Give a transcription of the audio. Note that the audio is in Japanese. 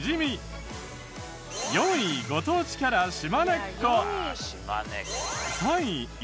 ４位ご当地キャラしまねっこ。